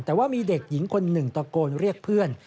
แต่ว่ามีเด็กหญิงคนหนึ่งตะโกนเรียกเพื่อน